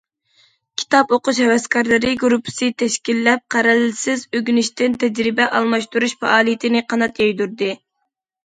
كىتاب ئوقۇش ھەۋەسكارلىرى گۇرۇپپىسى تەشكىللەپ، قەرەلسىز ئۆگىنىشتىن تەجرىبە ئالماشتۇرۇش پائالىيىتىنى قانات يايدۇردى.